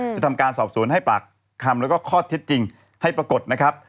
จะทำการสอบสวนให้ปากคำแล้วก็ข้อเท็จจริงให้ปรากฏนะครับ